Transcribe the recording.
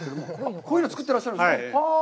こういうのを作ってらっしゃるんですか。